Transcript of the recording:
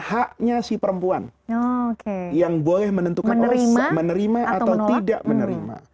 haknya si perempuan yang boleh menentukan oris menerima atau tidak menerima